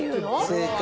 正解。